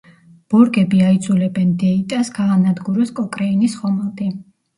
ბორგები აიძულებენ დეიტას გაანადგუროს კოკრეინის ხომალდი.